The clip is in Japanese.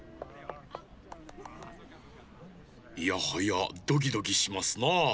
いやはやドキドキしますなあ。